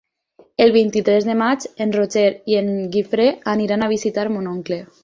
El vint-i-tres de maig en Roger i en Guifré aniran a visitar mon oncle.